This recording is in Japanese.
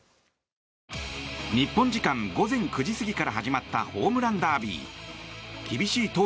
日本時間午前９時過ぎから始まったホームランダービー。